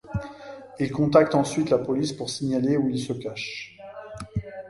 Il contacte ensuite la police pour signaler où il se cache.